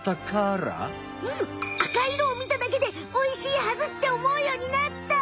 うん赤いいろをみただけで「おいしいはず」っておもうようになった！